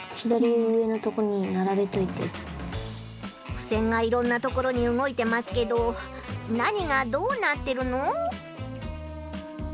ふせんがいろんな所に動いてますけど何がどうなってるの！？